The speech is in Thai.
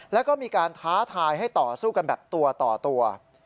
แล้วก็มีการท้าทายให้ต่อสู้กันแบบตัวต่อตัว